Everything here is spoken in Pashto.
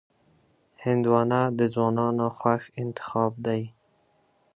هندوانه د ځوانانو خوښ انتخاب دی.